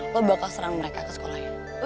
lo bakal serang mereka ke sekolahnya